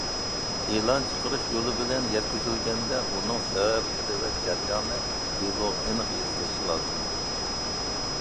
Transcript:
ئېلان چىقىرىش يولى بىلەن يەتكۈزۈلگەندە، ئۇنىڭ سەۋەبلىرى ۋە جەريانى دېلوغا ئېنىق يېزىلىشى لازىم.